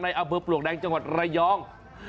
ในอเบอร์ปลวกแดงจังหวัดระยอง